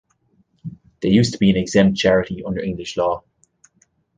They used to be an exempt charity under English law.